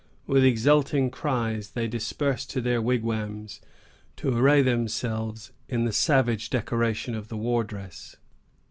With exulting cries they disperse to their wigwams, to array themselves in the savage decorations of the war dress.